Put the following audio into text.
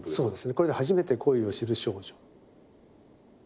これで初めて恋を知る少女。